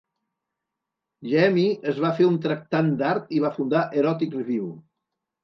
Jamie es va fer un tractant d'art i va fundar "Erotic Review".